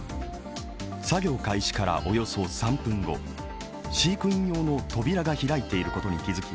作業開始からおよそ３分後、飼育員用の扉が開いていることに気付き